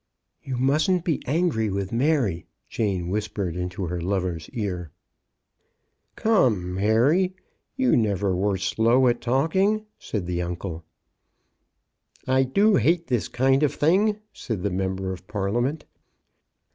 You mustn't be angry with Mary," Jane whispered into her lover's ear. " Come, Mary, you never were slow at talk ing," said the uncle. *' I do hate this kind of thing," said the mem ber of Parliament.